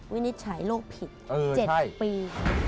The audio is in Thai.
วินิจฉัยโลกผิด๗ปี